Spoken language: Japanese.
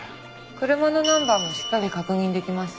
車のナンバーもしっかり確認できます。